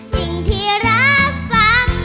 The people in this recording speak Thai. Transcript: สิ่งที่รับฟัง